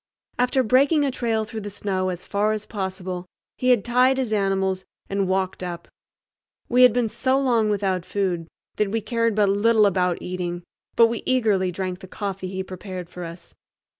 After breaking a trail through the snow as far as possible he had tied his animals and walked up. We had been so long without food that we cared but little about eating, but we eagerly drank the coffee he prepared for us.